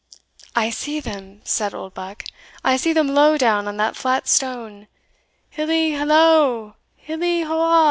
"I see them," said Oldbuck "I see them low down on that flat stone Hilli hilloa, hilli ho a!"